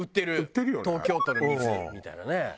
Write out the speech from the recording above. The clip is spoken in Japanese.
東京都の水みたいなね。